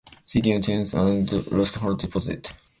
She came tenth and lost her deposit.